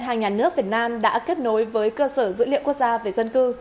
hôm nay ngân hàng nhà nước việt nam đã kết nối với cơ sở dữ liệu quốc gia về dân cư